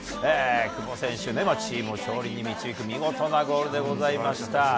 久保選手、チームを勝利に導く見事なゴールでございました。